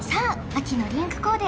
秋のリンクコーデ